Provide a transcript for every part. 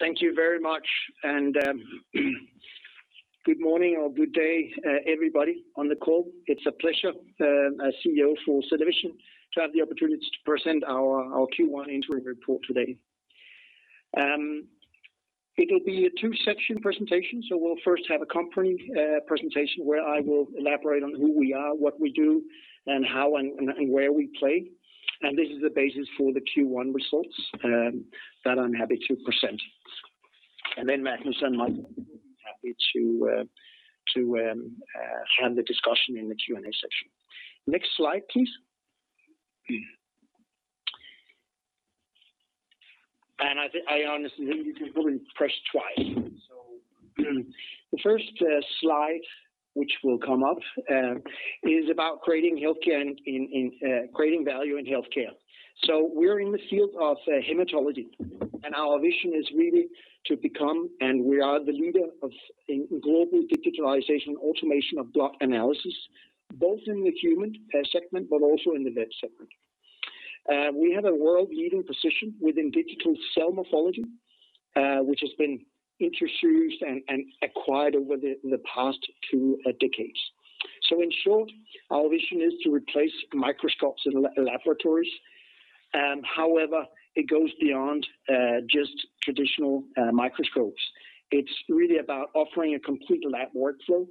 Thank you very much. Good morning or good day, everybody on the call. It's a pleasure, as CEO for CellaVision, to have the opportunity to present our Q1 interim report today. It'll be a two section presentation, so we'll first have a company presentation where I will elaborate on who we are, what we do, and how and where we play. This is the basis for the Q1 results that I'm happy to present. Then Magnus and Michael will be happy to have the discussion in the Q&A session. Next slide, please. I honestly think you can probably press twice. The first slide, which will come up, is about creating value in healthcare. We are in the field of hematology, and our vision is really to become, and we are, the leader of global digitalization and automation of blood analysis, both in the human segment but also in the vet segment. We have a world-leading position within digital cell morphology, which has been introduced and acquired over the past two decades. In short, our vision is to replace microscopes in laboratories. However, it goes beyond just traditional microscopes. It is really about offering a complete lab workflow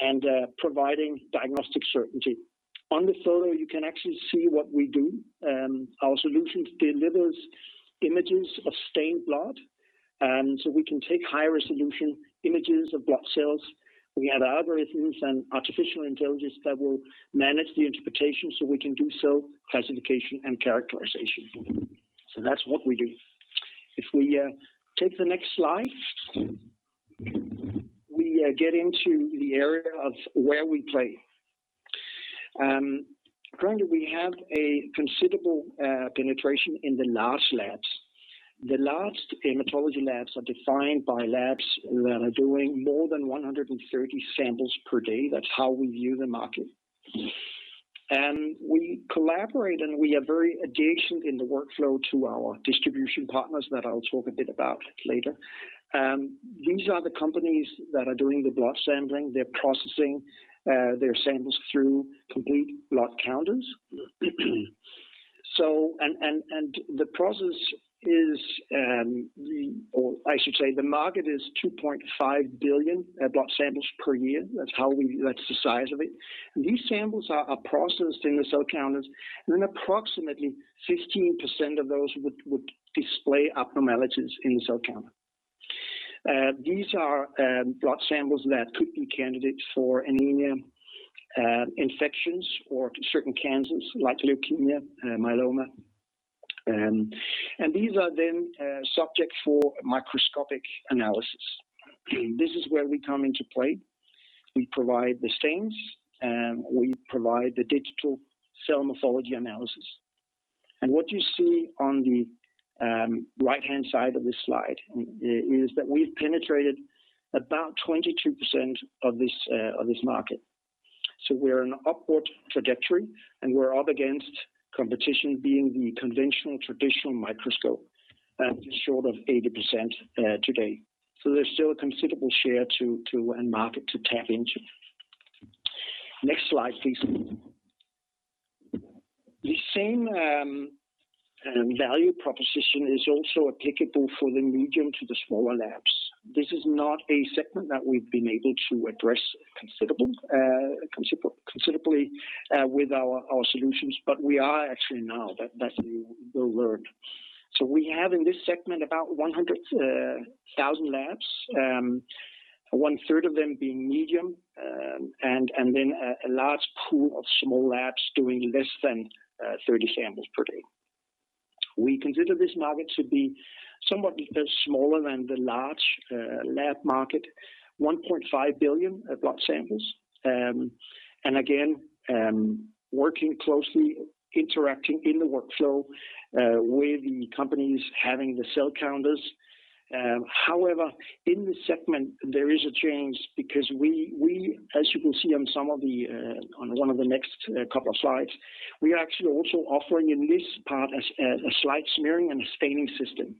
and providing diagnostic certainty. On the photo, you can actually see what we do. Our solution delivers images of stained blood, so we can take high-resolution images of blood cells. We have algorithms and artificial intelligence that will manage the interpretation, so we can do cell classification and characterization. That is what we do. If we take the next slide, we get into the area of where we play. Currently, we have a considerable penetration in the large labs. The large hematology labs are defined by labs that are doing more than 130 samples per day. That's how we view the market. We collaborate, and we are very adjacent in the workflow to our distribution partners that I'll talk a bit about later. These are the companies that are doing the blood sampling. They're processing their samples through complete blood counters. The process is, or I should say, the market is 2.5 billion blood samples per year. That's the size of it. These samples are processed in the cell counters, and then approximately 15% of those would display abnormalities in the cell counter. These are blood samples that could be candidates for anemia, infections, or certain cancers like leukemia, myeloma. These are then subject for microscopic analysis. This is where we come into play. We provide the stains, we provide the digital cell morphology analysis. What you see on the right-hand side of this slide is that we've penetrated about 22% of this market. We're on an upward trajectory, and we're up against competition, being the conventional, traditional microscope, which is short of 80% today. There's still a considerable share and market to tap into. Next slide, please. The same value proposition is also applicable for the medium to the smaller labs. This is not a segment that we've been able to address considerably with our solutions, but we are actually now. That you will learn. We have in this segment about 100,000 labs, one-third of them being medium, and then a large pool of small labs doing less than 30 samples per day. We consider this market to be somewhat smaller than the large lab market, 1.5 billion blood samples. Again, working closely, interacting in the workflow with the companies having the cell counters. However, in this segment, there is a change because we, as you will see on one of the next couple of slides, we are actually also offering in this part a slide smearing and a staining system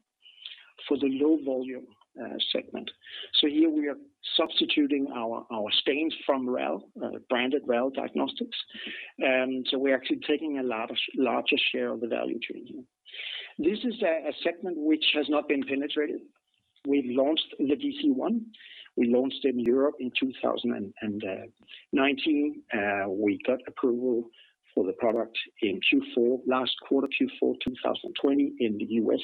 for the low-volume segment. Here we are substituting our stains from RAL, branded RAL Diagnostics. We're actually taking a larger share of the value chain here. This is a segment which has not been penetrated. We launched the DC-1. We launched in Europe in 2019. We got approval for the product in Q4, last quarter, Q4 2020, in the U.S.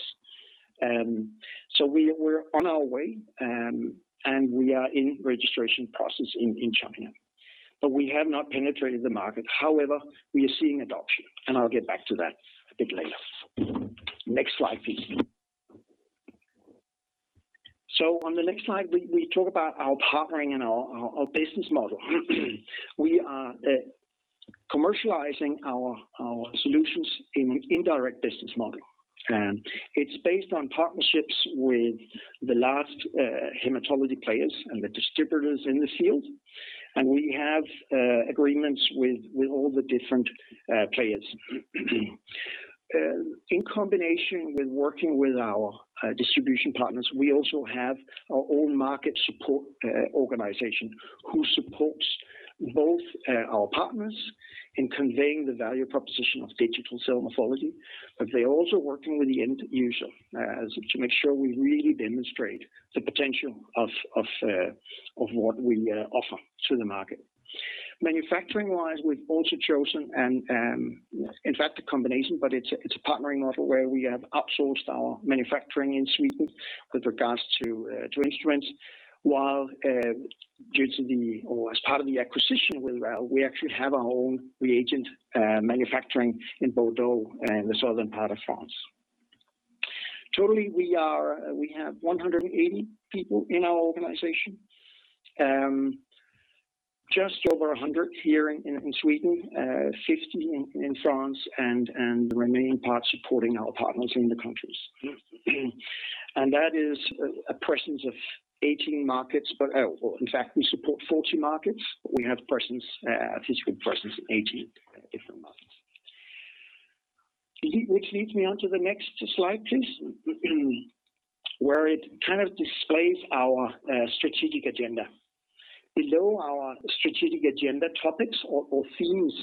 We're on our way, and we are in registration process in China. We have not penetrated the market. However, we are seeing adoption, and I'll get back to that a bit later. Next slide, please. On the next slide, we talk about our partnering and our business model. We are commercializing our solutions in an indirect business model. It's based on partnerships with the large hematology players and the distributors in the field, and we have agreements with all the different players. In combination with working with our distribution partners, we also have our own market support organization who supports both our partners in conveying the value proposition of digital cell morphology, but they're also working with the end user to make sure we really demonstrate the potential of what we offer to the market. Manufacturing wise, we've also chosen, in fact, a combination, but it's a partnering model where we have outsourced our manufacturing in Sweden with regards to instruments, while due to the, or as part of the acquisition with RAL, we actually have our own reagent manufacturing in Bordeaux, in the southern part of France. Totally, we have 180 people in our organization. Just over 100 here in Sweden, 50 in France, and the remaining part supporting our partners in the countries. That is a presence of 18 markets. In fact, we support 40 markets. We have physical presence in 18 different markets. Which leads me onto the next slide, please, where it kind of displays our strategic agenda. Below our strategic agenda topics or themes,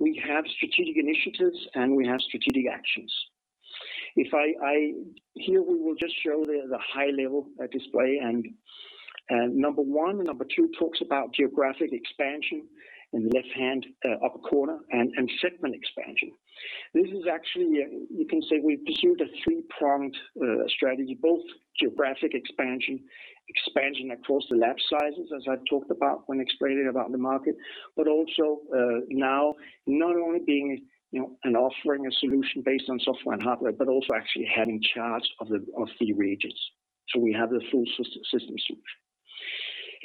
we have strategic initiatives, and we have strategic actions. Here we will just show the high-level display and number 1 and number 2 talks about geographic expansion in the left-hand upper corner and segment expansion. This is actually, you can say we've pursued a three-pronged strategy, both geographic expansion across the lab sizes, as I talked about when explaining about the market, but also now not only being and offering a solution based on software and hardware, but also actually having charge of the reagents. We have the full system solution.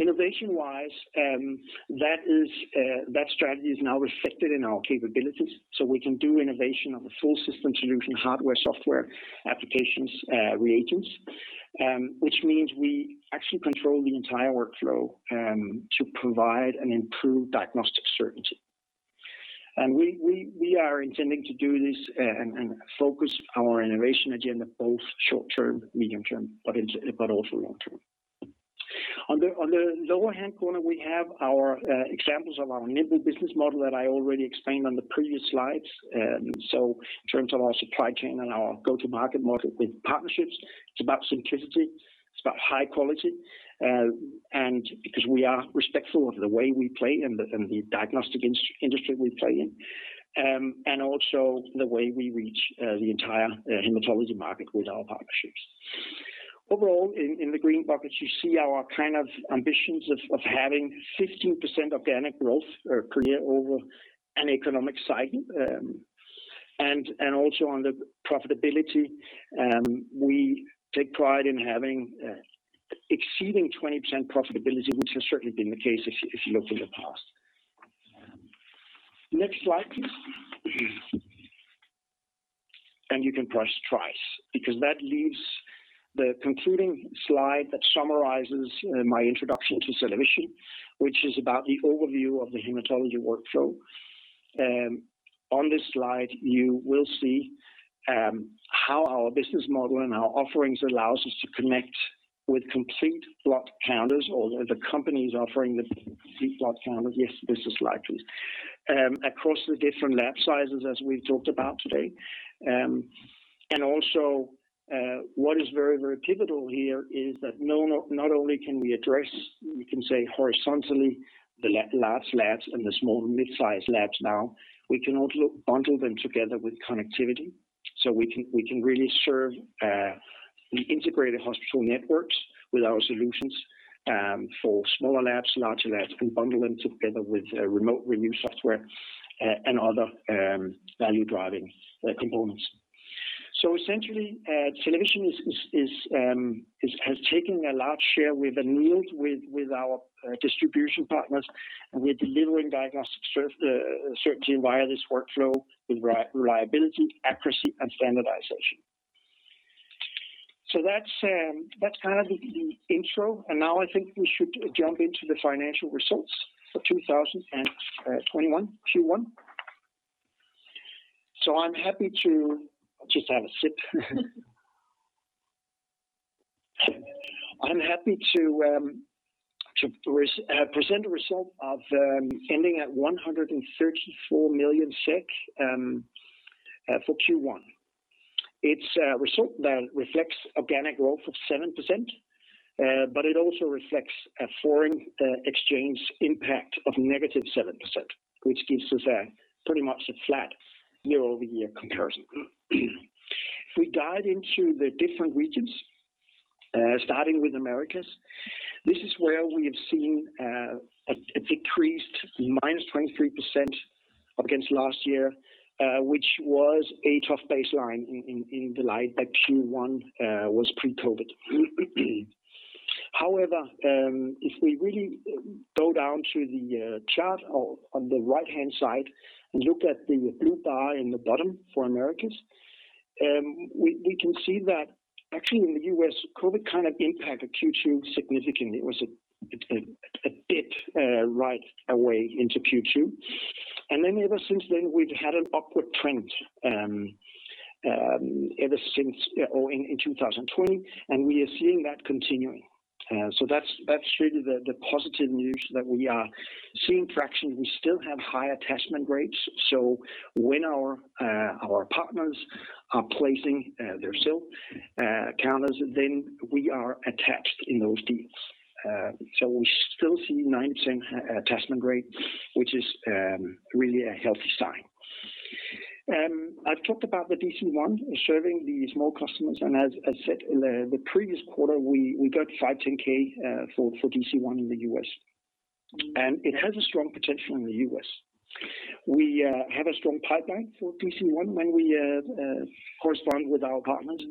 Innovation-wise, that strategy is now reflected in our capabilities, so we can do innovation of a full system solution, hardware, software, applications, reagents, which means we actually control the entire workflow to provide and improve diagnostic certainty. We are intending to do this and focus our innovation agenda, both short-term, medium-term, but also long-term. On the lower hand corner, we have our examples of our nimble business model that I already explained on the previous slides. In terms of our supply chain and our go-to-market model with partnerships, it's about simplicity, it's about high quality, and because we are respectful of the way we play and the diagnostic industry we play in, and also the way we reach the entire hematology market with our partnerships. Overall, in the green buckets, you see our kind of ambitions of having 15% organic growth per year over an economic cycle. Also on the profitability, we take pride in having exceeding 20% profitability, which has certainly been the case if you look in the past. Next slide, please. You can press twice, because that leaves the concluding slide that summarizes my introduction to CellaVision, which is about the overview of the hematology workflow. On this slide, you will see how our business model and our offerings allows us to connect with complete blood counters or the companies offering the complete blood counters. Yes, this slide, please. Across the different lab sizes, as we've talked about today, also, what is very pivotal here is that not only can we address, we can say horizontally, the large labs and the small mid-size labs now, we can also bundle them together with connectivity. We can really serve the integrated hospital networks with our solutions for smaller labs, larger labs, can bundle them together with remote review software and other value-driving components. Essentially, CellaVision has taken a large share. We've aligned with our distribution partners, and we're delivering diagnostic certainty via this workflow with reliability, accuracy, and standardization. That's kind of the intro, and now I think we should jump into the financial results for 2021 Q1. I'm happy to just have a sip. I'm happy to present a result of ending at 134 million for Q1. It's a result that reflects organic growth of 7%, but it also reflects a foreign exchange impact of negative 7%, which gives us pretty much a flat year-over-year comparison. If we dive into the different regions, starting with Americas, this is where we have seen a decreased minus 23% against last year, which was a tough baseline in the light that Q1 was pre-COVID. If we really go down to the chart on the right-hand side and look at the blue bar in the bottom for Americas. We can see that actually in the U.S., COVID kind of impacted Q2 significantly. It was a dip right away into Q2. Ever since then, we've had an upward trend ever since in 2020, and we are seeing that continuing. That's really the positive news that we are seeing traction. We still have high attachment rates. When our partners are placing their cell counters, then we are attached in those deals. We still see 9% attachment rate, which is really a healthy sign. I've talked about the DC-1 serving the small customers, and as I said, in the previous quarter, we got 510(k) for DC-1 in the U.S. It has a strong potential in the U.S. We have a strong pipeline for DC-1 when we correspond with our partners.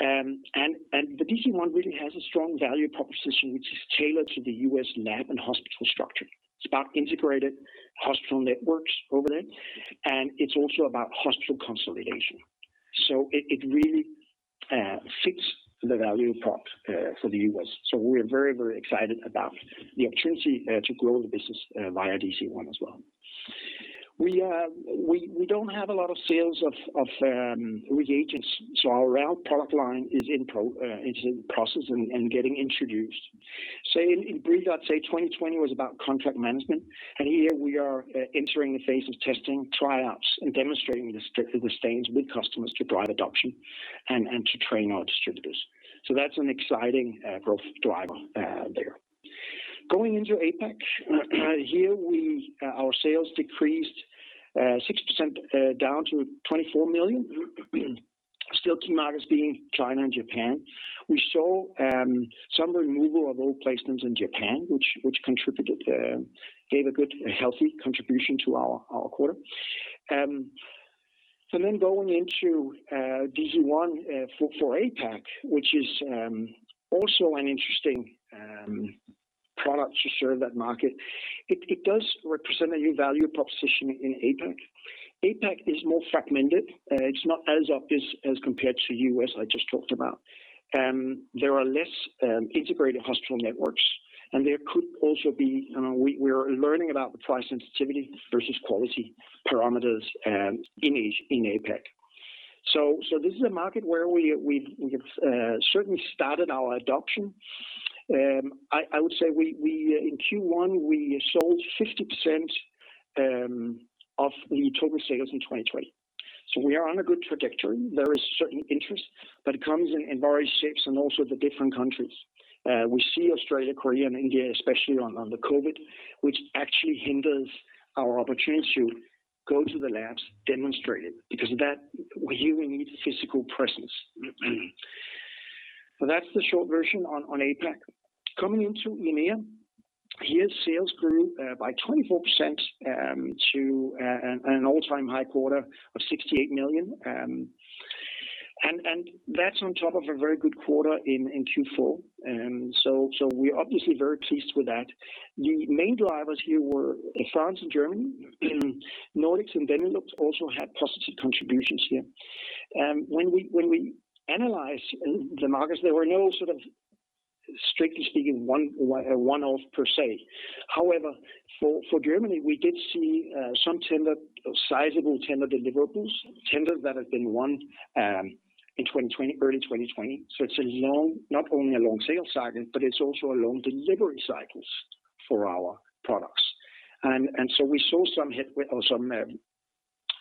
The DC-1 really has a strong value proposition, which is tailored to the U.S. lab and hospital structure. It's about integrated hospital networks over there, and it's also about hospital consolidation. It really fits the value prop for the U.S. We're very, very excited about the opportunity to grow the business via DC-1 as well. We don't have a lot of sales of reagents, our RAL product line is in process and getting introduced. In brief, I'd say 2020 was about contract management, and here we are entering the phase of testing tryouts and demonstrating the stains with customers to drive adoption and to train our distributors. That's an exciting growth driver there. Going into APAC. Here, our sales decreased 6% down to 24 million, still key markets being China and Japan. We saw some removal of old placements in Japan, which gave a good, healthy contribution to our quarter. Going into DC-1 for APAC, which is also an interesting product to serve that market. It does represent a new value proposition in APAC. APAC is more fragmented. It's not as obvious as compared to U.S. I just talked about. There are less integrated hospital networks, and we're learning about the price sensitivity versus quality parameters in APAC. This is a market where we have certainly started our adoption. I would say in Q1, we sold 50% of the total sales in 2020. We are on a good trajectory. There is certain interest, but it comes in various shapes and also the different countries. We see Australia, Korea, and India, especially on the COVID, which actually hinders our opportunity to go to the labs, demonstrate it, because that is where you will need a physical presence. That's the short version on APAC. Coming into EMEA, sales grew by 24% to an all-time high quarter of 68 million. That's on top of a very good quarter in Q4. We're obviously very pleased with that. The main drivers here were France and Germany. Nordics and Benelux also had positive contributions here. When we analyze the markets, there were no sort of strictly speaking one-off per se. However, for Germany, we did see some sizable tender deliverables, tenders that had been won in early 2020. It's not only a long sales cycle, but it's also a long delivery cycles for our products. We saw some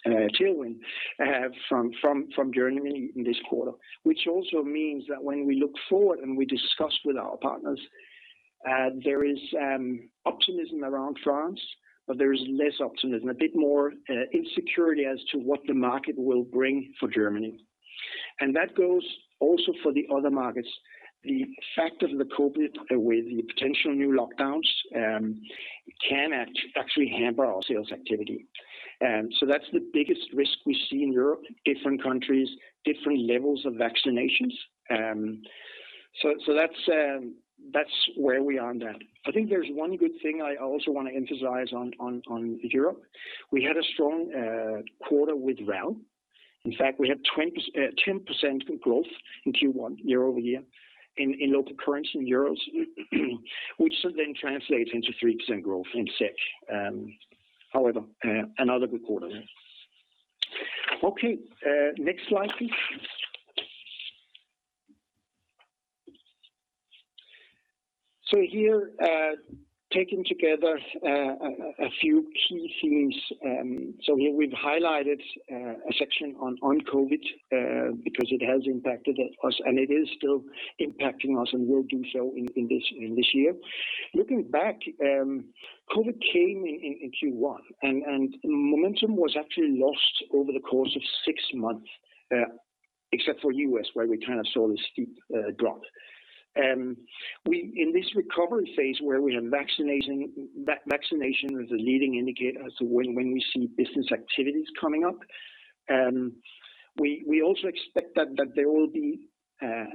tailwind from Germany in this quarter, which also means that when we look forward and we discuss with our partners, there is optimism around France, but there is less optimism, a bit more insecurity as to what the market will bring for Germany. That goes also for the other markets. The fact of the COVID with the potential new lockdowns can actually hamper our sales activity. That's the biggest risk we see in Europe, different countries, different levels of vaccinations. That's where we are on that. I think there's one good thing I also want to emphasize on Europe. We had a strong quarter with RAL. In fact, we had 10% growth in Q1 year-over-year in local currency, in EUR, which then translates into 3% growth in SEK. However, another good quarter there. Okay, next slide, please. Here, taken together a few key themes. Here we've highlighted a section on COVID, because it has impacted us, and it is still impacting us and will do so in this year. Looking back, COVID came in Q1, and momentum was actually lost over the course of six months, except for U.S., where we kind of saw this steep drop. In this recovery phase where we are vaccinating, vaccination is a leading indicator as to when we see business activities coming up. We also expect that there will be a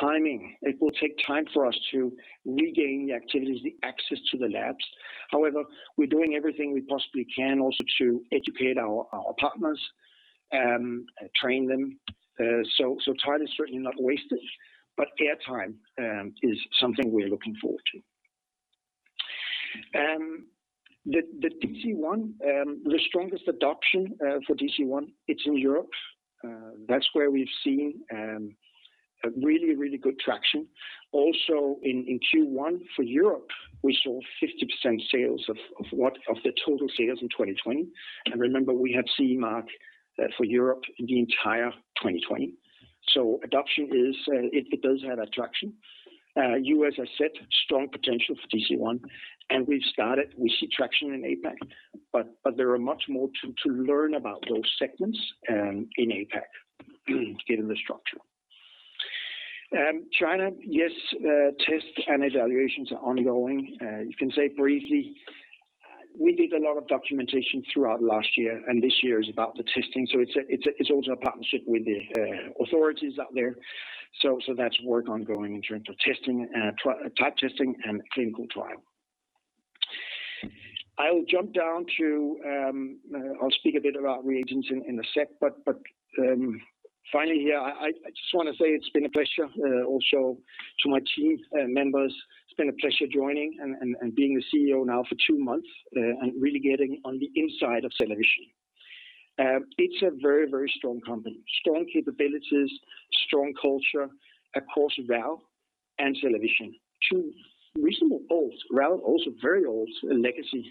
timing. It will take time for us to regain the activities, the access to the labs. However, we're doing everything we possibly can also to educate our partners and train them. Time is certainly not wasted, but airtime is something we're looking forward to. The DC-1, the strongest adoption for DC-1, it's in Europe. That's where we've seen really good traction. Also, in Q1 for Europe, we saw 50% sales of the total sales in 2020. Remember, we had CE mark for Europe the entire 2020. Adoption, it does have a traction. U.S., I said, strong potential for DC-1, and we've started. We see traction in APAC, but there are much more to learn about those segments in APAC to get them the structure. China, yes, tests and evaluations are ongoing. You can say briefly, we did a lot of documentation throughout last year, and this year is about the testing. It's also a partnership with the authorities out there. That's work ongoing in terms of type testing and clinical trial. I'll speak a bit about reagents in a sec, but finally here, I just want to say it's been a pleasure also to my team members. It's been a pleasure joining and being the CEO now for two months and really getting on the inside of CellaVision. It's a very strong company. Strong capabilities, strong culture across RAL and CellaVision. Two reasonable old. RAL also very old legacy.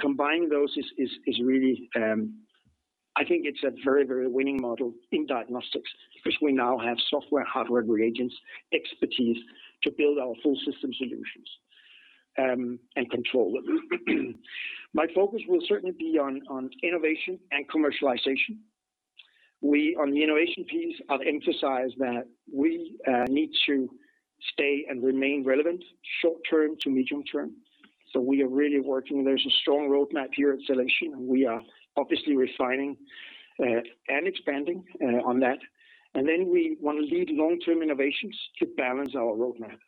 Combining those is really, I think it's a very winning model in diagnostics because we now have software, hardware, reagents, expertise to build our full system solutions and control them. My focus will certainly be on innovation and commercialization. We, on the innovation piece, I'll emphasize that we need to stay and remain relevant short term to medium term. We are really working. There's a strong roadmap here at CellaVision, and we are obviously refining and expanding on that. Then we want to lead long-term innovations to balance our roadmap.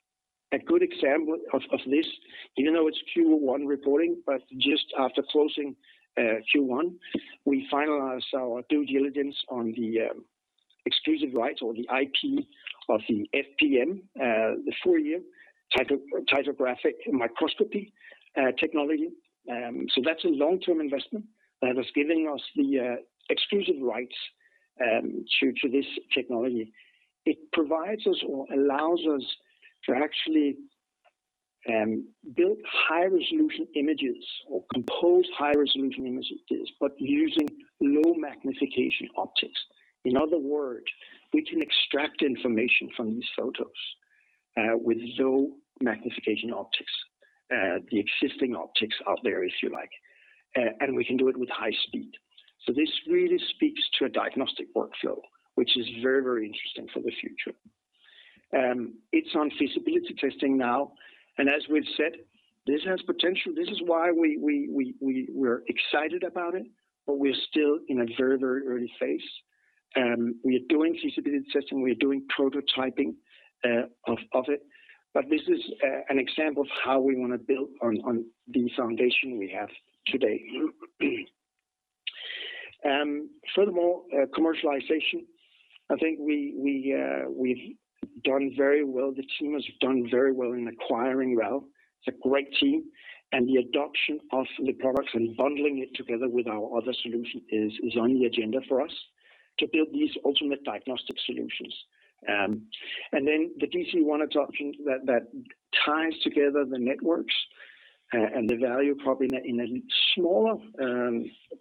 A good example of this, even though it's Q1 reporting, but just after closing Q1, we finalized our due diligence on the exclusive rights or the IP of the FPM, the Fourier ptychographic microscopy technology. That's a long-term investment that has given us the exclusive rights to this technology. It provides us or allows us to actually build high-resolution images or compose high-resolution images, but using low magnification optics. In other words, we can extract information from these photos with low magnification optics, the existing optics out there, if you like. We can do it with high speed. This really speaks to a diagnostic workflow, which is very interesting for the future. It's on feasibility testing now, and as we've said, this has potential. This is why we're excited about it, but we're still in a very early phase. We are doing feasibility testing, we're doing prototyping of it. This is an example of how we want to build on the foundation we have today. Furthermore, commercialization, I think we've done very well. The team has done very well in acquiring RAL. It's a great team, and the adoption of the products and bundling it together with our other solution is on the agenda for us to build these ultimate diagnostic solutions. The DC-1 adoption that ties together the networks and the value probably in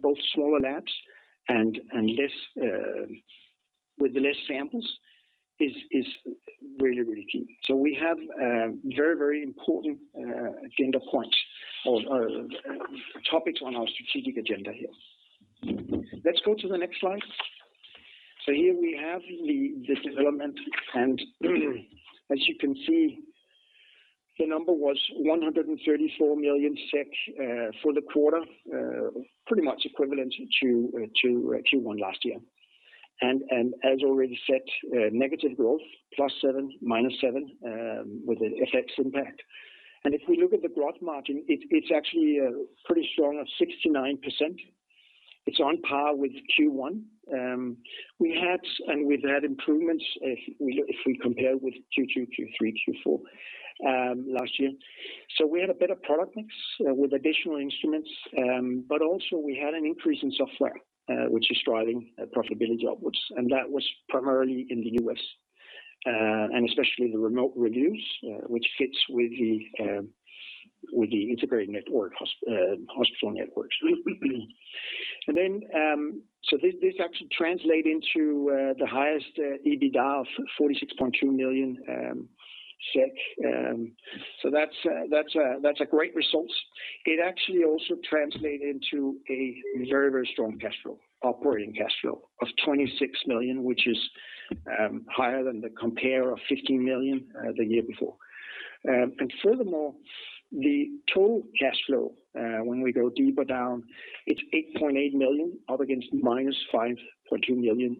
both smaller labs and with the less samples is really key. We have very important agenda points or topics on our strategic agenda here. Let's go to the next slide. Here we have the development, and as you can see, the number was 134 million for the quarter. Pretty much equivalent to Q1 last year. As already said, negative growth plus seven, minus seven with the FX impact. If we look at the gross margin, it's actually pretty strong at 69%. It's on par with Q1. We had improvements if we compare with Q2, Q3, Q4 last year. We had a better product mix with additional instruments. Also we had an increase in software, which is driving profitability upwards, and that was primarily in the U.S. Especially the remote reviews, which fits with the integrated hospital networks. This actually translate into the highest EBITDA of 46.2 million SEK. That's a great result. It actually also translated into a very strong operating cash flow of 26 million, which is higher than the compare of 15 million the year before. Furthermore, the total cash flow, when we go deeper down, it's 8.8 million, up against minus 5.2 million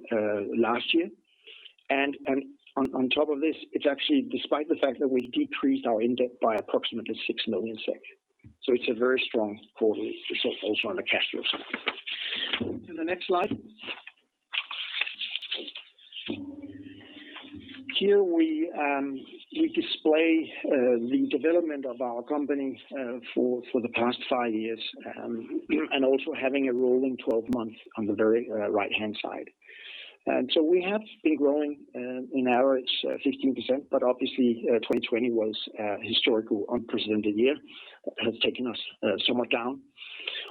last year. On top of this, it's actually despite the fact that we decreased our [inaudible] by approximately 6 million SEK. It's a very strong quarter also on the cash flow side. The next slide. Here we display the development of our company for the past five years, and also having a rolling 12 months on the very right-hand side. We have been growing on average 15%, but obviously 2020 was a historical unprecedented year, has taken us somewhat down.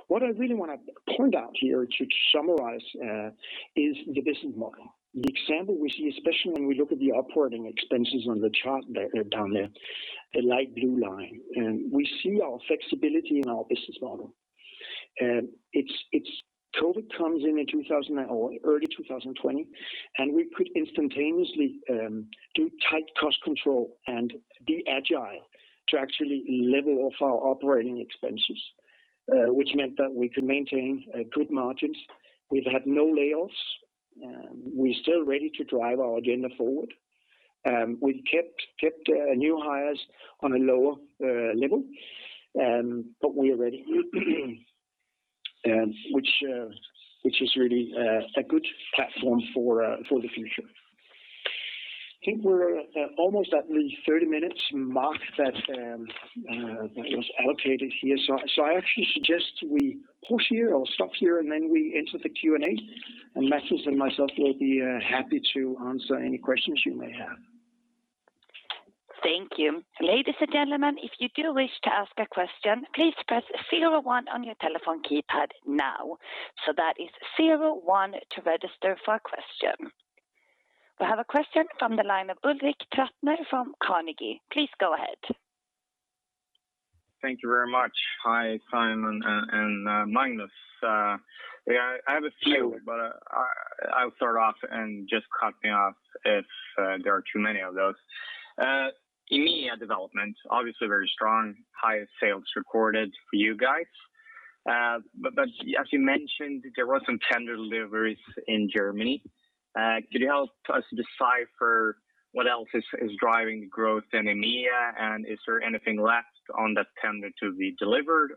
What I really want to point out here to summarize is the business model. The example we see, especially when we look at the operating expenses on the chart down there, the light blue line, and we see our flexibility in our business model. COVID comes in early 2020, and we could instantaneously do tight cost control and be agile to actually level off our operating expenses, which meant that we could maintain good margins. We've had no layoffs. We're still ready to drive our agenda forward. We kept new hires on a lower level, but we are ready, which is really a good platform for the future. I think we're almost at the 30 minutes mark that was allocated here. I actually suggest we pause here or stop here, and then we enter the Q&A, and Magnus Blixt and myself will be happy to answer any questions you may have. Thank you. Ladies and gentlemen, if you do wish to ask a question, please press zero one on your telephone keypad now. That is zero one to register for a question. We have a question from the line of Ulrik Trattner from Carnegie. Please go ahead. Thank you very much. Hi, Simon and Magnus. I have a few, but I'll start off and just cut me off if there are too many of those. EMEA development, obviously very strong, highest sales recorded for you guys. As you mentioned, there were some tender deliveries in Germany. Could you help us decipher what else is driving growth in EMEA? Is there anything left on that tender to be delivered?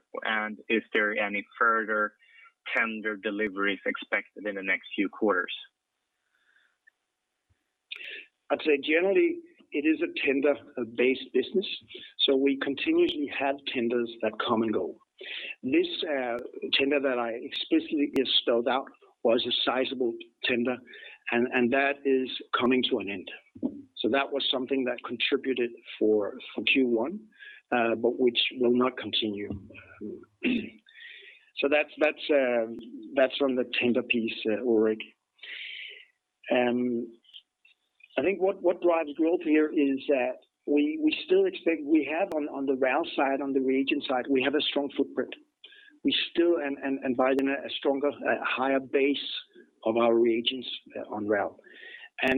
Is there any further tender deliveries expected in the next few quarters? I'd say generally it is a tender-based business. We continuously have tenders that come and go. This tender that I explicitly just spelled out was a sizable tender. That is coming to an end. That was something that contributed for Q1, which will not continue. That's on the tender piece, Ulrik. I think what drives growth here is we still expect we have on the RAL side, on the reagent side, we have a strong footprint. We still, by then a stronger, higher base of our reagents on RAL.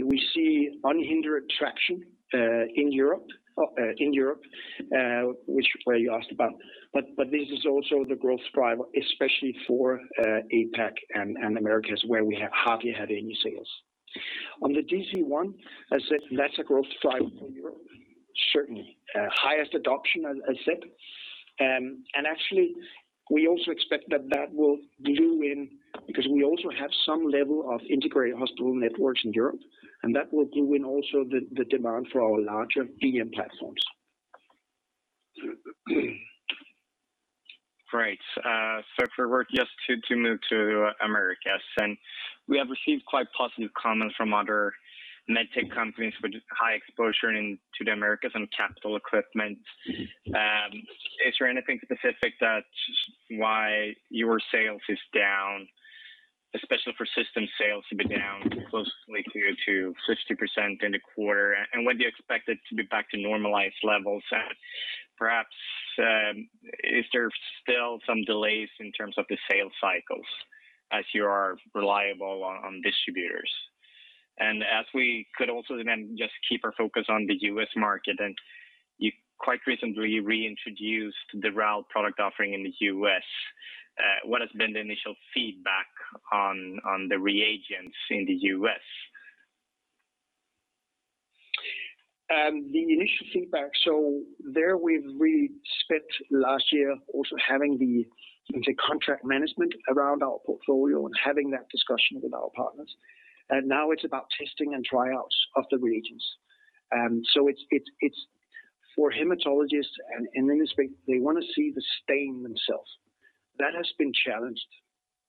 We see unhindered traction in Europe, which is where you asked about. This is also the growth driver, especially for APAC and Americas, where we hardly had any sales. On the DC-1, I said that's a growth driver for Europe, certainly. Highest adoption, as I said. Actually, we also expect that that will glue in because we also have some level of integrated hospital networks in Europe, and that will glue in also the demand for our larger DM platforms. Great. If we were just to move to Americas, and we have received quite positive comments from other med tech companies with high exposure to the Americas and capital equipment. Is there anything specific that's why your sales is down, especially for system sales to be down closely to 60% in the quarter? When do you expect it to be back to normalized levels? Perhaps, is there still some delays in terms of the sales cycles as you are reliable on distributors? As we could also then just keep our focus on the U.S. market, and you quite recently reintroduced the RAL product offering in the U.S. What has been the initial feedback on the reagents in the U.S.? The initial feedback, there we've really spent last year also having the contract management around our portfolio and having that discussion with our partners. Now it's about testing and tryouts of the reagents. It's for hematologists and immunologists, they want to see the stain themselves. That has been challenged.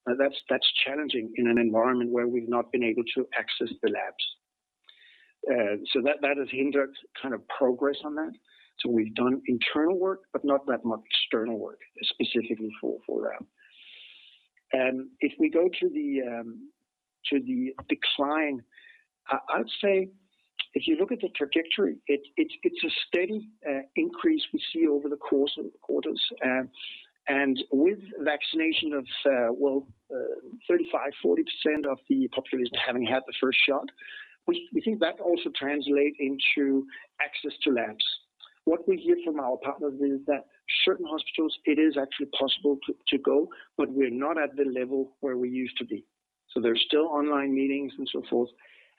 That's challenging in an environment where we've not been able to access the labs. That has hindered kind of progress on that. We've done internal work, but not that much external work specifically for them. If we go to the decline, I'd say if you look at the trajectory, it's a steady increase we see over the course of quarters. With vaccination of, well, 35%, 40% of the population having had the first shot, we think that also translate into access to labs. What we hear from our partners is that certain hospitals, it is actually possible to go, but we're not at the level where we used to be. There's still online meetings and so forth,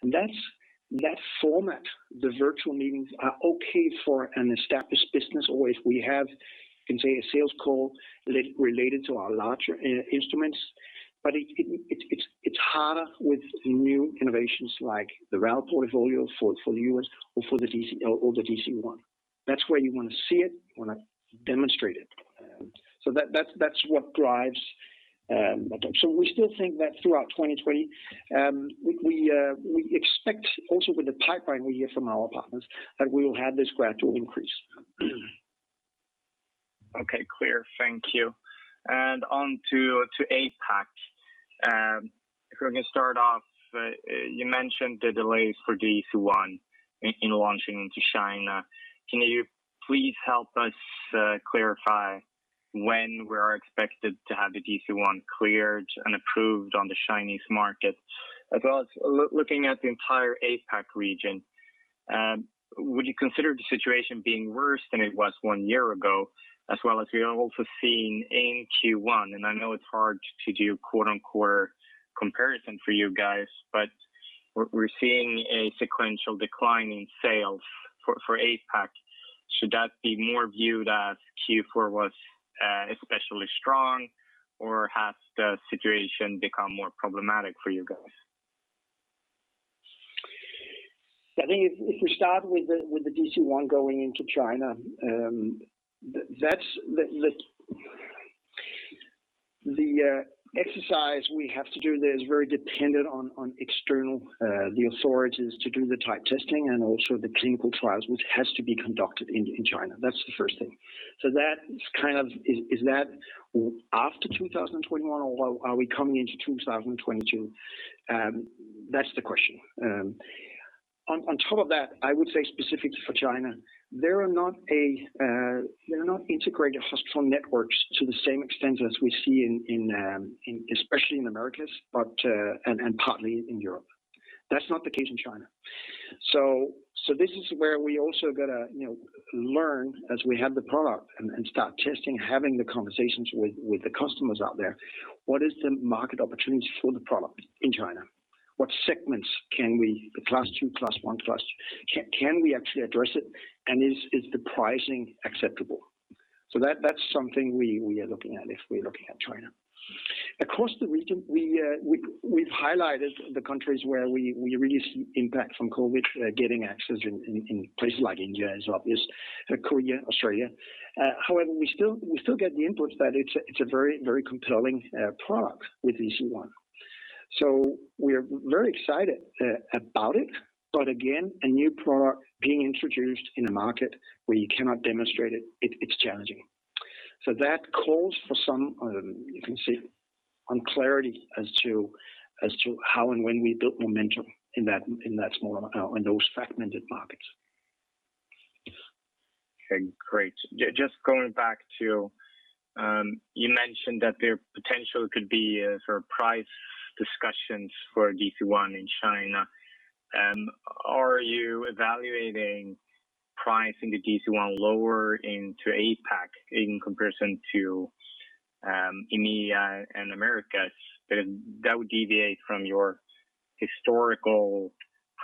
and that format, the virtual meetings, are okay for an established business, or if we have, you can say, a sales call related to our larger instruments. It's harder with new innovations like the RAL portfolio for the U.S. or the DC-1. That's where you want to see it, you want to demonstrate it. That's what drives. We still think that throughout 2020, we expect also with the pipeline we hear from our partners, that we will have this gradual increase. Okay. Clear. Thank you. On to APAC. If we can start off, you mentioned the delays for DC-1 in launching into China. Can you please help us clarify when we are expected to have the DC-1 cleared and approved on the Chinese market? As well as looking at the entire APAC region, would you consider the situation being worse than it was one year ago? We are also seeing in Q1, I know it's hard to do quarter-on-quarter comparison for you guys, we're seeing a sequential decline in sales for APAC. Should that be more viewed as Q4 was especially strong, or has the situation become more problematic for you guys? I think if we start with the DC-1 going into China, the exercise we have to do there is very dependent on external, the authorities to do the type testing and also the clinical trials, which has to be conducted in China. That's the first thing. Is that after 2021, or are we coming into 2022? That's the question. On top of that, I would say specifically for China, there are not integrated hospital networks to the same extent as we see especially in Americas and partly in Europe. That's not the case in China. This is where we also got to learn, as we have the product and start testing, having the conversations with the customers out there, what is the market opportunity for the product in China? What segments, the Class II, Class I, can we actually address it, and is the pricing acceptable? That's something we are looking at if we're looking at China. Across the region, we've highlighted the countries where we really see impact from COVID getting access in places like India is obvious, Korea, Australia. We still get the inputs that it's a very compelling product with DC-1. We're very excited about it. Again, a new product being introduced in a market where you cannot demonstrate it's challenging. That calls for some, you can say, unclarity as to how and when we build momentum in those fragmented markets. Okay, great. Just going back to, you mentioned that there potentially could be sort of price discussions for DC-1 in China. Are you evaluating pricing the DC-1 lower into APAC in comparison to EMEA and Americas? That would deviate from your historical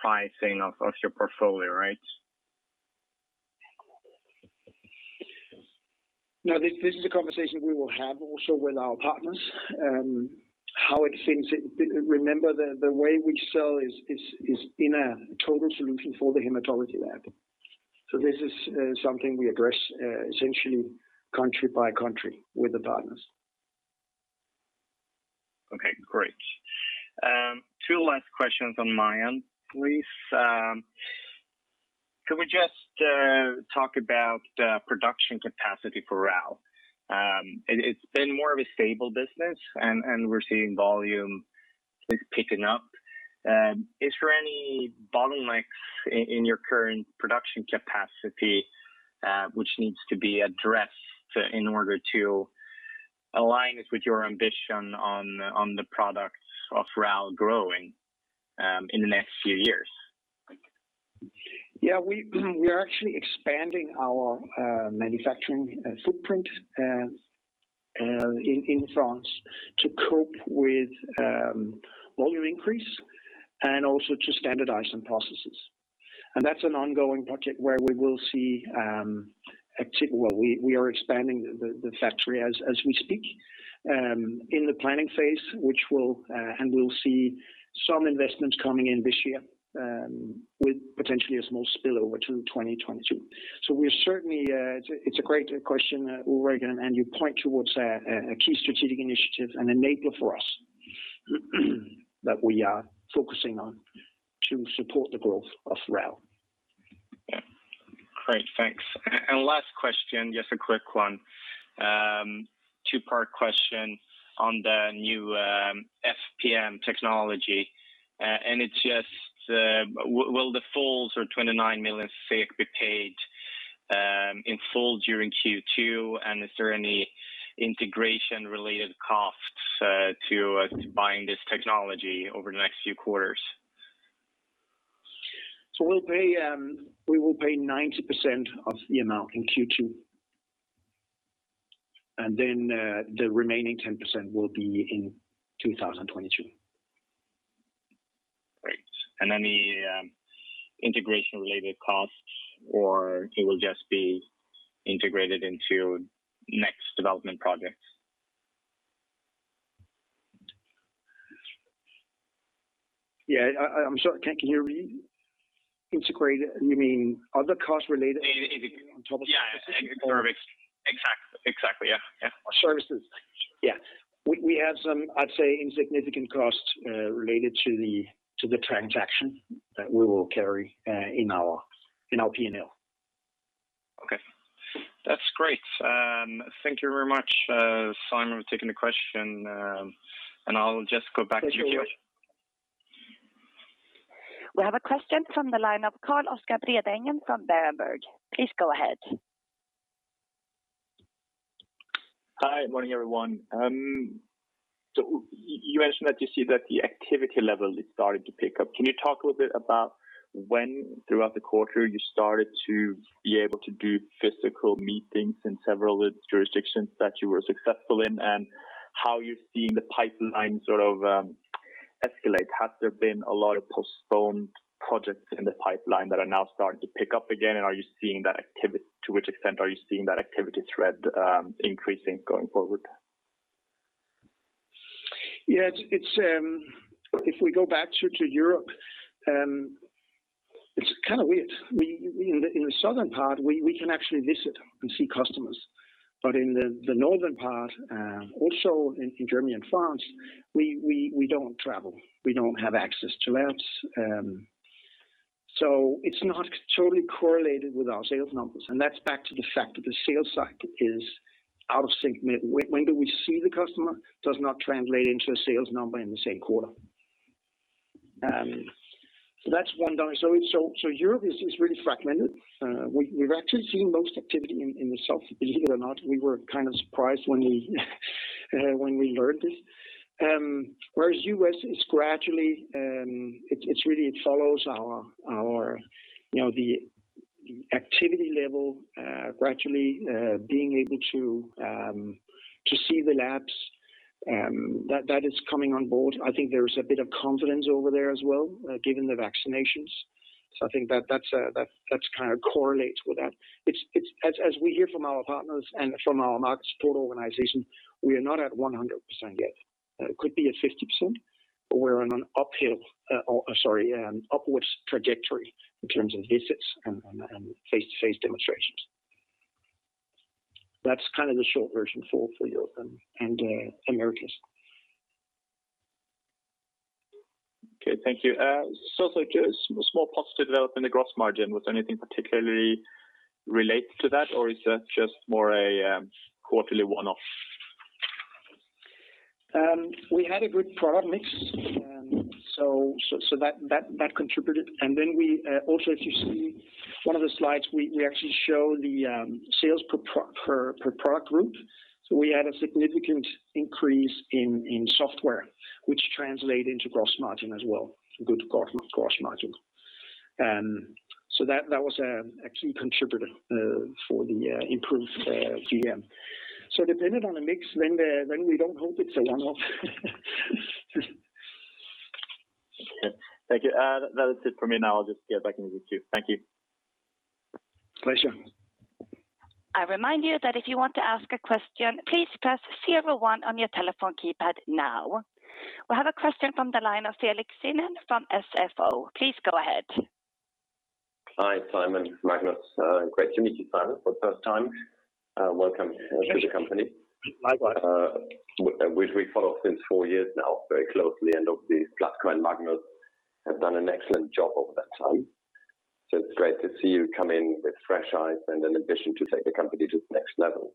pricing of your portfolio, right? No, this is a conversation we will have also with our partners. Remember, the way we sell is in a total solution for the hematology lab. This is something we address essentially country by country with the partners. Okay, great. Two last questions on my end, please. Can we just talk about the production capacity for RAL? It's been more of a stable business, and we're seeing volume is picking up. Is there any bottlenecks in your current production capacity, which needs to be addressed in order to align with your ambition on the products of RAL growing in the next few years? Yeah, we are actually expanding our manufacturing footprint in France to cope with volume increase and also to standardize some processes. That's an ongoing project where we will see. We are expanding the factory as we speak. In the planning phase, and we'll see some investments coming in this year, with potentially a small spillover to 2022. It's a great question, Ulrik Trattner, you point towards a key strategic initiative, an enabler for us that we are focusing on to support the growth of RAL. Great. Thanks. Last question, just a quick one. Two-part question on the new FPM technology. It's just, will the full sort of 29 million fee be paid in full during Q2, and is there any integration-related costs to buying this technology over the next few quarters? We will pay 90% of the amount in Q2, the remaining 10% will be in 2022. Great. Any integration-related costs, or it will just be integrated into next development projects? Yeah. I'm sorry, can you read? Integrated, you mean are there costs related on top of Yeah. Exactly. Yeah. Services. Yeah. We have some, I'd say, insignificant costs related to the transaction that we will carry in our P&L. Okay. That's great. Thank you very much, Simon Østergaard, for taking the question. I'll just go back to you, Pia. We have a question from the line of Carl-Oscar Bredengen from Berenberg. Please go ahead. Hi. Morning, everyone. You mentioned that you see that the activity level is starting to pick up. Can you talk a little bit about when throughout the quarter you started to be able to do physical meetings in several of the jurisdictions that you were successful in, and how you're seeing the pipeline sort of escalate? Has there been a lot of postponed projects in the pipeline that are now starting to pick up again? To which extent are you seeing that activity thread increasing going forward? If we go back to Europe, it's kind of weird. In the southern part, we can actually visit and see customers. In the northern part, also in Germany and France, we don't travel. We don't have access to labs. It's not totally correlated with our sales numbers, and that's back to the fact that the sales cycle is out of sync. When do we see the customer does not translate into a sales number in the same quarter. That's one dynamic. Europe is really fragmented. We've actually seen most activity in the south, believe it or not. We were kind of surprised when we learned this. U.S., it's gradually, it really follows the activity level, gradually being able to see the labs. That is coming on board. I think there is a bit of confidence over there as well, given the vaccinations. I think that kind of correlates with that. As we hear from our partners and from our market support organization, we are not at 100% yet. Could be at 50%, but we're on an upwards trajectory in terms of visits and face-to-face demonstrations. That's kind of the short version for Europe and the Americas. Okay. Thank you. A small positive development in the gross margin. Was anything particularly related to that, or is that just more a quarterly one-off? We had a good product mix, that contributed. We also, if you see one of the slides, we actually show the sales per product group. We had a significant increase in software, which translated into gross margin as well. Good gross margin. That was a key contributor for the improved GM. Dependent on the mix, we don't hope it's a one-off. Thank you. That is it for me now. I'll just get back into the queue. Thank you. Pleasure. I remind you that if you want to ask a question, please press zero one on your telephone keypad now. We have a question from the line of Felix Wienen from SFO. Please go ahead. Hi, Simon. Magnus. Great to meet you, Simon, for the first time. Welcome to the company. Likewise. Which we follow since four years now very closely, and obviously, Klas and Magnus have done an excellent job over that time. It's great to see you come in with fresh eyes and an ambition to take the company to the next level.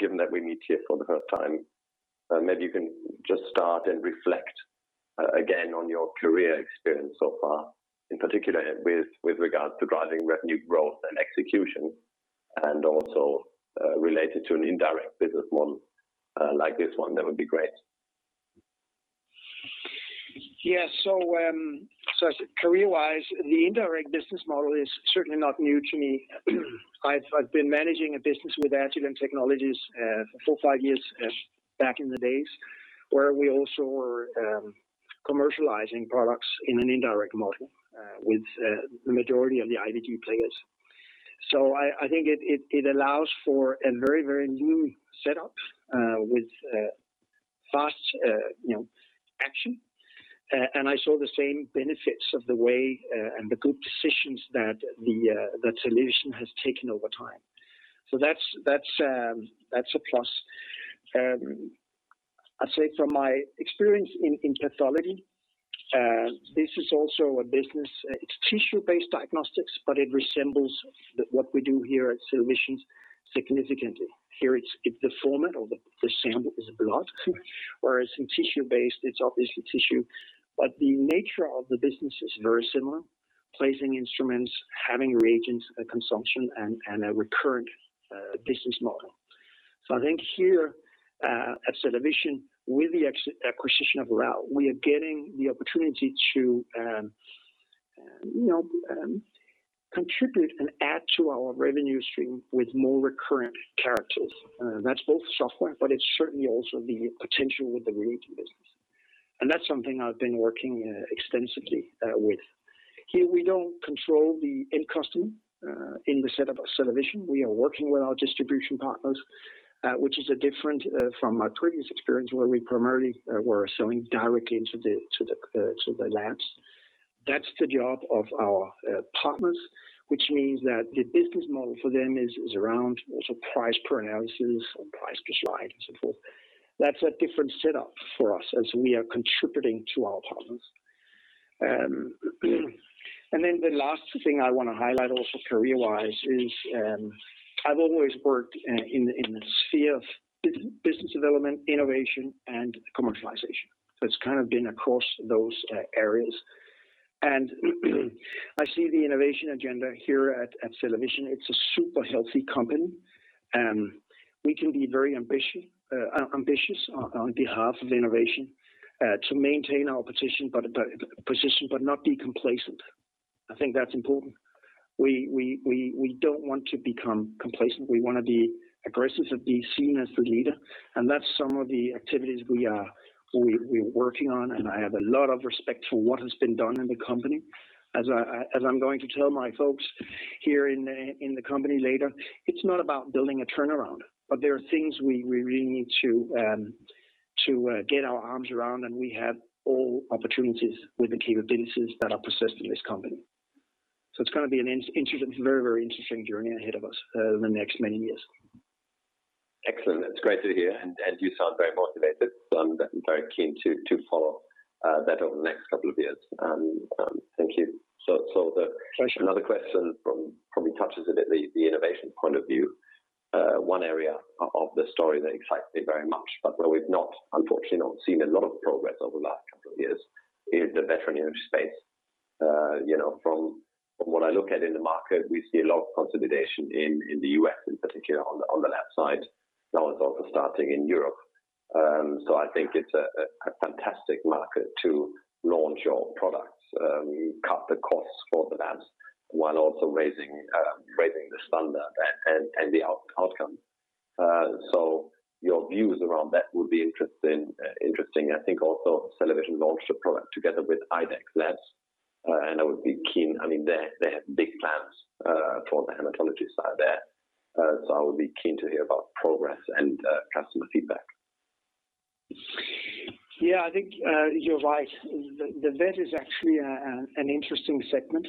Given that we meet here for the first time, maybe you can just start and reflect again on your career experience so far, in particular with regards to driving revenue growth and execution, and also related to an indirect business model like this one. That would be great. Yeah. Career-wise, the indirect business model is certainly not new to me. I've been managing a business with Agilent Technologies for four, five years back in the days, where we also were commercializing products in an indirect model with the majority of the IVD players. I think it allows for a very new setup with fast action. I saw the same benefits of the way and the good decisions that CellaVision has taken over time. That's a plus. I'd say from my experience in pathology, this is also a business, it's tissue-based diagnostics, but it resembles what we do here at CellaVision significantly. Here, it's the format or the sample is blood, whereas in tissue-based, it's obviously tissue. The nature of the business is very similar, placing instruments, having reagents, a consumption, and a recurrent business model. I think here at CellaVision, with the acquisition of RAL, we are getting the opportunity to contribute and add to our revenue stream with more recurrent characters. That's both software, but it's certainly also the potential with the related business. That's something I've been working extensively with. Here, we don't control the end customer in the setup of CellaVision. We are working with our distribution partners, which is different from our previous experience, where we primarily were selling directly into the labs. That's the job of our partners, which means that the business model for them is around also price per analysis or price per slide and so forth. That's a different setup for us as we are contributing to our partners. The last thing I want to highlight also career-wise is, I've always worked in the sphere of business development, innovation, and commercialization. It's kind of been across those areas. I see the innovation agenda here at CellaVision. It's a super healthy company. We can be very ambitious on behalf of innovation, to maintain our position but not be complacent. I think that's important. We don't want to become complacent. We want to be aggressive and be seen as the leader, and that's some of the activities we're working on, and I have a lot of respect for what has been done in the company. As I'm going to tell my folks here in the company later, it's not about building a turnaround, but there are things we really need to get our arms around, and we have all opportunities with the capabilities that are possessed in this company. It's going to be an very interesting journey ahead of us over the next many years. Excellent. That's great to hear, and you sound very motivated, so I'm very keen to follow that over the next couple of years. Thank you. Pleasure. Another question probably touches a bit the innovation point of view. One area of the story that excites me very much, but where we've unfortunately not seen a lot of progress over the last couple of years is the veterinary space. From what I look at in the market, we see a lot of consolidation in the U.S., in particular on the lab side. Now it's also starting in Europe. I think it's a fantastic market to launch your products, cut the costs for the labs, while also raising the standard and the outcome. Your views around that would be interesting. I think also CellaVision launched a product together with IDEXX Laboratories, and I would be keen. They have big plans for the hematology side there. I would be keen to hear about progress and customer feedback. Yeah, I think you're right. The vet is actually an interesting segment.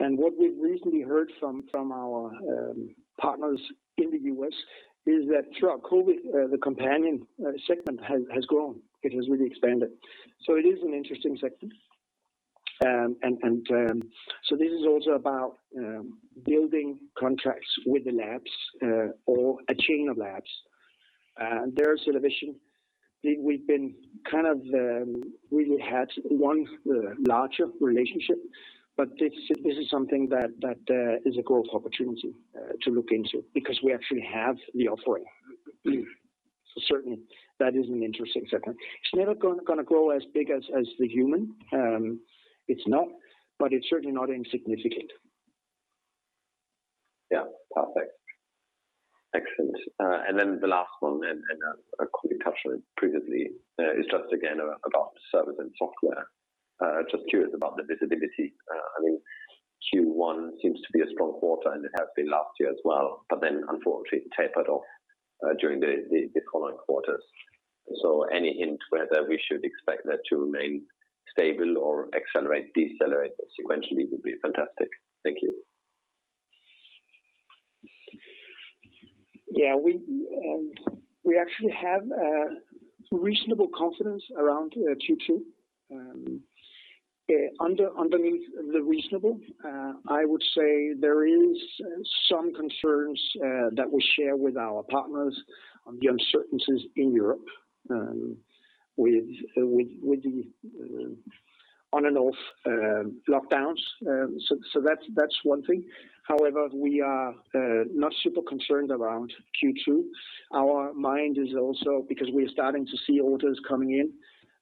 What we've recently heard from our partners in the U.S. is that throughout COVID, the companion segment has grown. It has really expanded. It is an interesting segment. This is also about building contracts with the labs or a chain of labs. There at CellaVision, we've been kind of really had one larger relationship, but this is something that is a growth opportunity to look into because we actually have the offering. Certainly, that is an interesting segment. It's never going to grow as big as the human. It's not, but it's certainly not insignificant. Yeah. Perfect. Excellent. The last one, I quickly touched on it previously, is just again about service and software. Just curious about the visibility. Q1 seems to be a strong quarter, and it has been last year as well. Unfortunately, it tapered off during the following quarters. Any hint whether we should expect that to remain stable or accelerate, decelerate sequentially would be fantastic. Thank you. Yeah. We actually have reasonable confidence around Q2. Underneath the reasonable, I would say there is some concerns that we share with our partners on the uncertainties in Europe with the on-and-off lockdowns. That's one thing. However, we are not super concerned around Q2. Our mind is also because we are starting to see orders coming in,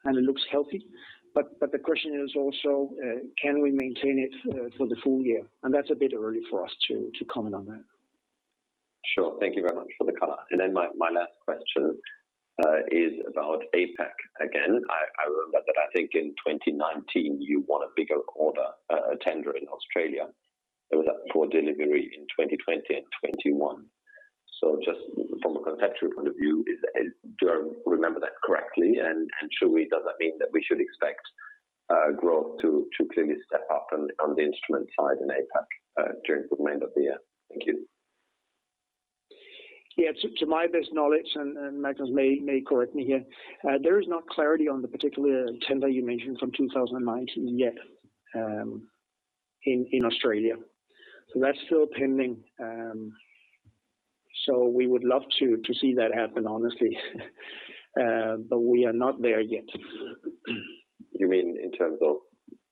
and it looks healthy. The question is also, can we maintain it for the full-year? That's a bit early for us to comment on that. Sure. Thank you very much for the color. My last question is about APAC again. I remember that I think in 2019, you won a bigger order, a tender in Australia that was up for delivery in 2020 and 2021. Just from a contextual point of view, do I remember that correctly? Does that mean that we should expect growth to clearly step up on the instrument side in APAC during the remainder of the year? Thank you. Yeah. To my best knowledge, Magnus may correct me here. There is no clarity on the particular tender you mentioned from 2019 yet in Australia. That's still pending. We would love to see that happen, honestly. We are not there yet. You mean in terms of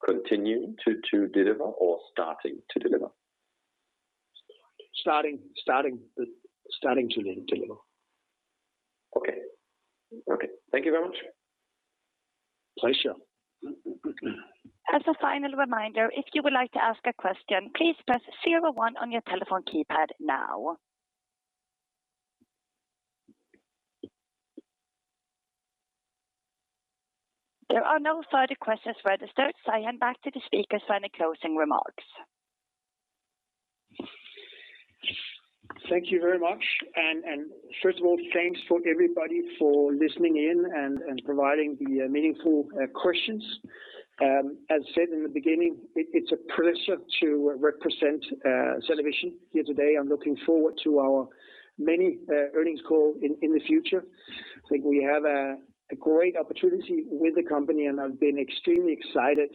continuing to deliver or starting to deliver? Starting to deliver. Okay. Thank you very much. Pleasure. As a final reminder, if you would like to ask a question, please press zero one on your telephone keypad now. There are no further questions registered, I hand back to the speakers for any closing remarks. Thank you very much. First of all, thanks for everybody for listening in and providing the meaningful questions. As said in the beginning, it's a pleasure to represent CellaVision here today. I'm looking forward to our many earnings call in the future. I think we have a great opportunity with the company, and I've been extremely excited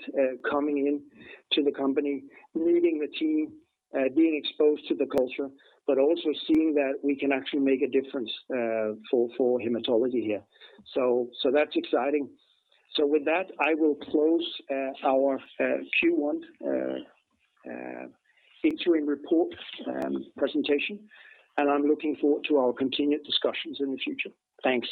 coming into the company, meeting the team, being exposed to the culture, but also seeing that we can actually make a difference for hematology here. That's exciting. With that, I will close our Q1 interim report presentation, and I'm looking forward to our continued discussions in the future. Thanks.